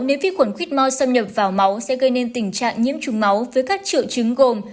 nếu viết khuẩn quýt mò xâm nhập vào máu sẽ gây nên tình trạng nhiễm chủng máu với các triệu chứng gồm